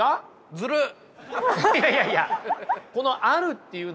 ずるっ！